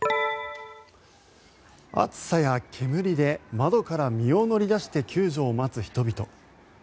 熱さや煙で窓から身を乗り出して救助を待つ人々。